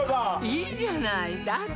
いいじゃないだって